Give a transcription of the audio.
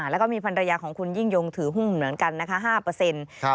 แล้วก็มีภรรยาของคุณยิ่งยงถือหุ้นเหมือนกันนะคะ๕เปอร์เซ็นต์